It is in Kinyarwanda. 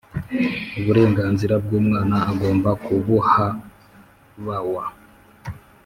uburenganzira bwu mwana agomba kubuhabawa